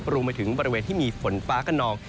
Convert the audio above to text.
รวมไปถึงบริเวณที่มีฝนฟ้ากระนอง